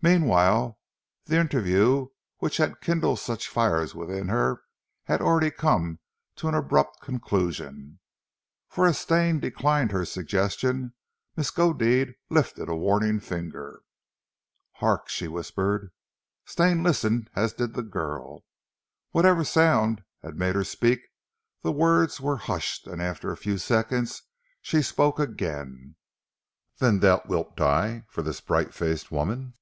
Meanwhile, the interview which had kindled such fires within her had already come to an abrupt conclusion. For as Stane declined her suggestion Miskodeed lifted a warning finger. "Hark!" she whispered. Stane listened, as did the girl. Whatever sound had made her speak the word was hushed, and after a few seconds she spoke again. "Then thou wilt die for this bright faced woman?"